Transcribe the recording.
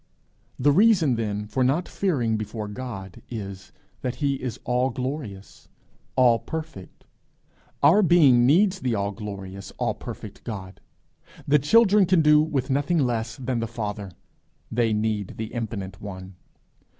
The reason then for not fearing before God is, that he is all glorious, all perfect. Our being needs the all glorious, all perfect God. The children can do with nothing less than the Father; they need the infinite one.